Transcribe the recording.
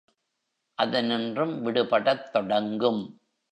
அதனின்றும் விடுபடத் தொடங்கும்.